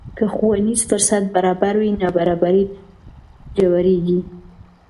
که ښوونیز فرصت برابر وي، نابرابري نه ژورېږي.